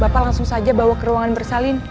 bapak langsung saja bawa ke ruangan bersalin